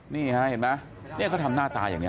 นี่ฮะเห็นไหมเนี่ยเขาทำหน้าตาอย่างนี้